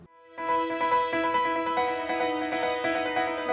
apa yang kamu inginkan